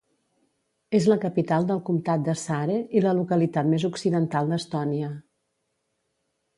És la capital del comtat de Saare i la localitat més occidental d'Estònia.